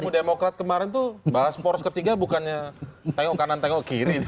ketemu demokrat kemarin tuh bahas poros ketiga bukannya tengok kanan tengok kiri